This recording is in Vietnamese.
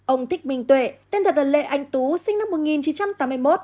ông thích minh tuệ tên thật là lê anh tú sinh năm một nghìn chín trăm tám mươi một